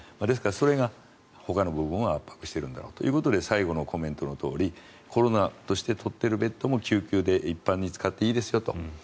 ですから、それがほかの部分を圧迫しているということで最後のコメントのとおりコロナとして取っているベッドも救急で一般に使っていいですよと。